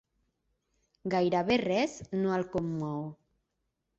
Gairebé res no el commou.